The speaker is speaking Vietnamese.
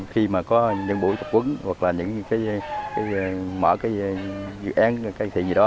khi mà có những buổi tập quấn hoặc là những cái mở cái dự án cải thiện gì đó